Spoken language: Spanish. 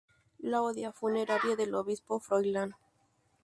Lauda funeraria del obispo Froilán.